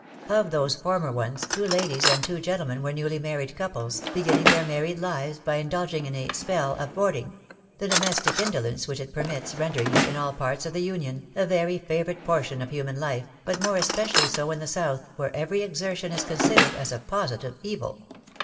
Of these former ones, two ladies and two gentlemen ■were newly married couples, beginning their married lives by in dulging in a " spell of boarding ;" the domestic indolence which it permits, rendering it, in all parts of the union, a very favourite portion of human Ufe, but more especially so in the south, where every exertion is considered as a positive evil.